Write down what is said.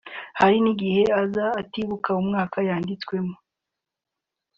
Hari n’ubwo aza atibuka umwaka yanditswemo